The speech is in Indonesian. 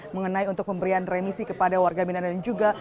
mengenai untuk pemberian remisi kepada warga binatang juga